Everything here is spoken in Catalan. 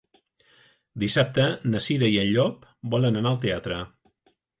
Dissabte na Cira i en Llop volen anar al teatre.